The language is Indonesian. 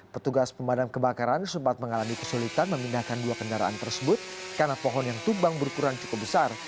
petugas pemadam kebakaran sempat mengalami kesulitan memindahkan dua kendaraan tersebut karena pohon yang tumbang berukuran cukup besar